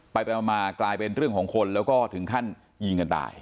ไปมากลายเป็นเรื่องของคนแล้วก็ถึงขั้นยิงกันตาย